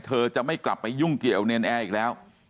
เธอจะไม่กลับไปยุ่งเกี่ยวเนรนแอร์อีกแล้ว